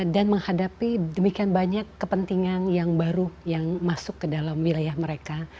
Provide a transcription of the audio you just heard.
dan menghadapi demikian banyak kepentingan yang baru yang masuk ke dalam wilayah mereka